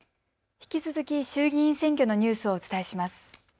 引き続き衆議院選挙のニュースをお伝えします。